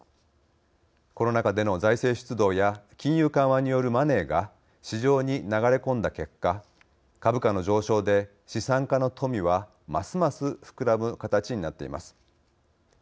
コロナ禍での財政出動や金融緩和によるマネーが市場に流れ込んだ結果株価の上昇で資産家の富はますます膨らむ形になっています。